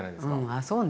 あそうね。